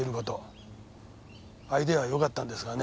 アイデアはよかったんですがね。